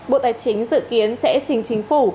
bộ tài chính dự kiến sẽ chỉnh chính phủ